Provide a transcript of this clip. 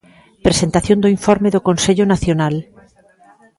Presentación do informe do Consello Nacional.